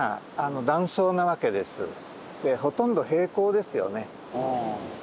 ほとんど平行ですよね。